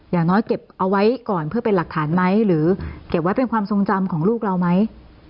อย่างน้อยเก็บเอาไว้ก่อนเพื่อเป็นหลักฐานไหมหรือเก็บไว้เป็นความทรงจำของลูกเราไหม